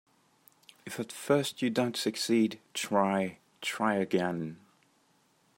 If at first you don't succeed, try, try again.